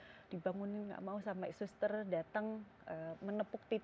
sudah diam cuma dibangunin gak mau sampai suster datang menepuk titiknya